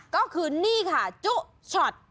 ก็คือนี่ค่ะจุช็อต